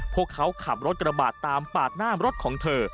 พวกเขาขับรถกระบาดตามปาดหน้ารถของเธอ